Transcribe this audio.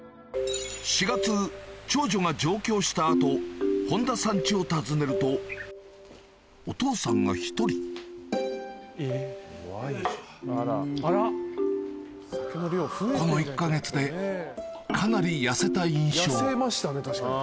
４月長女が上京した後本多さんチを訪ねるとお父さんが１人この１か月でかなり痩せた印象痩せましたね